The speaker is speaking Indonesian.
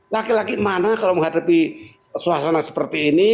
laki laki mana kalau menghadapi suasana seperti ini